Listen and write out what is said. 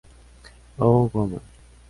Oh, Women!